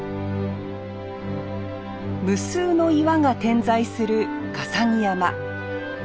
無数の岩が点在する笠置山。